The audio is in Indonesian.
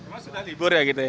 emang sudah libur ya gitu ya